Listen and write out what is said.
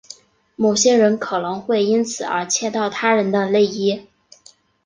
某些人可能会因此而窃盗他人的内衣。